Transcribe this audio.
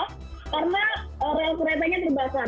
karena rail keretanya terbakar